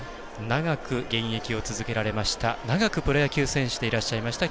長く現役を続けられました長くプロ野球選手でいらっしゃいました